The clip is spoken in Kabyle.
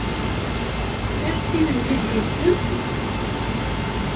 Tesɛiḍ sin n yedlisen?